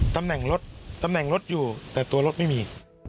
ตำแหน่งรถตำแหน่งรถอยู่แต่ตัวรถไม่มี